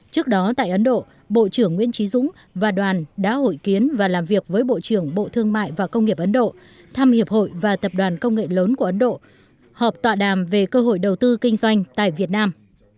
trước đó tại ấn độ bộ trưởng nguyễn trí dũng và đoàn đã hội kiến và làm việc với bộ trưởng bộ thương mại và công nghiệp ấn độ thăm hiệp hội và tập đoàn công nghệ lớn của ấn độ họp tọa đàm về cơ hội đầu tư kinh doanh tại việt nam